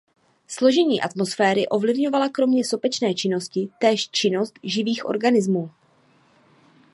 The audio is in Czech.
Složení atmosféry ovlivňovala kromě sopečné činnosti též činnost živých organismů.